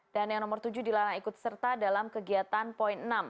dan yang nomor tujuh dilarang ikut serta dalam kegiatan poin enam